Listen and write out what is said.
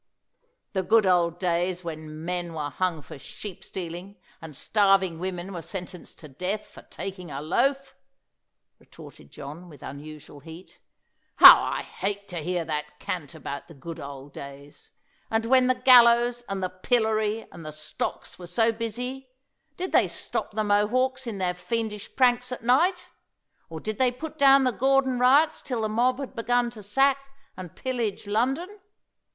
"The good old days when men were hung for sheep stealing, and starving women were sentenced to death for taking a loaf!" retorted John with unusual heat. "How I hate to hear that cant about the good old days! And when the gallows and the pillory and the stocks were so busy, did they stop the Mohawks in their fiendish pranks at night? or did they put down the Gordon riots till the mob had begun to sack and pillage London?